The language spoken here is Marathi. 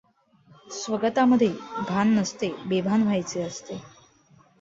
स्वगता मध्ये भान नसते, बेभान व्हायचे असते.